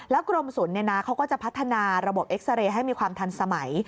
กรมศูนย์เขาก็จะพัฒนาระบบเอ็กซาเรย์ให้มีความทันสมัย